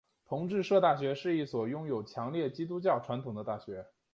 同志社大学是一所拥有强烈基督教传统的大学。